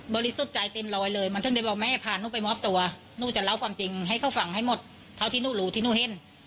เกือบให้หมดเท่าที่โรงแลพรีสที่โรงเพลงเห็น